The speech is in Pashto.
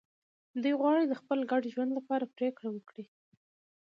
دوی غواړي د خپل ګډ ژوند لپاره پرېکړه وکړي.